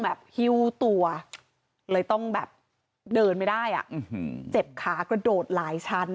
ฮิ้วตัวเลยต้องแบบเดินไม่ได้อ่ะเจ็บขากระโดดหลายชั้น